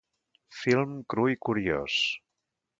Film cru i curiós.